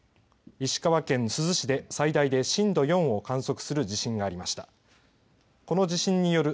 石川県珠洲市で最大で震度４を観測する地震がありました。